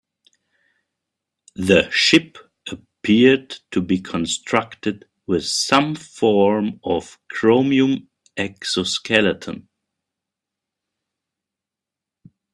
The ship appeared to be constructed with some form of chromium exoskeleton.